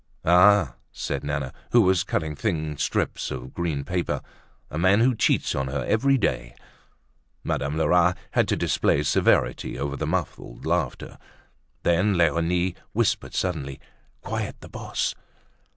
"Ah!" said Nana, who was cutting thin strips of green paper. "A man who cheats on her every day!" Madame Lerat had to display severity over the muffled laughter. Then Leonie whispered suddenly: "Quiet. The boss!"